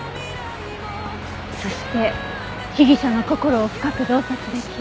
そして被疑者の心を深く洞察できる。